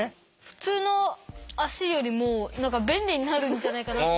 普通の足よりも何か便利になるんじゃないかなと。